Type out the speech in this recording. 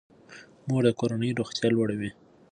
مور د کورنۍ روغتیا لوړوي.